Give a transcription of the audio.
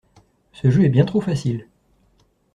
Ce jeu est bien trop facile.